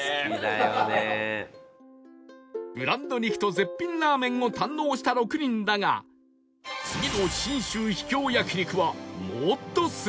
ブランド肉と絶品ラーメンを堪能した６人だが次の信州秘境焼肉はもっとすごい名店が